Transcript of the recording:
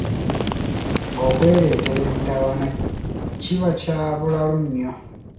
Okwereetera emitawaana kiba kya bulalu nnyo.